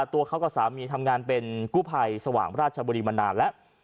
ตัวเขากับสามีทำงานเป็นกู้ภัยสว่างราชบุรีมานานแล้ว